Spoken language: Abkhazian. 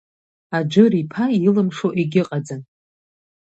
Аџыр-иԥа илымшо егьыҟаӡам…